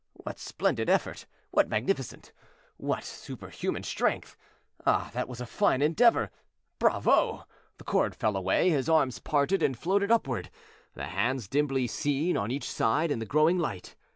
What splendid effort! what magnificent, what superhuman strength! Ah, that was a fine endeavor! Bravo! The cord fell away; his arms parted and floated upward, the hands dimly seen on each side in the growing light.